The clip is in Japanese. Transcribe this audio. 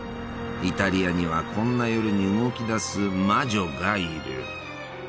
イタリアにはこんな夜に動き出す魔女がいる。